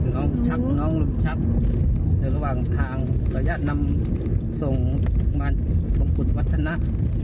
น้องลูกชักน้องลูกชักในระหว่างทางต่อญาตินำส่งมาตรงขุดวัฒนา